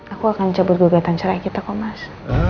aku akan cabut gugatan cerai kita komas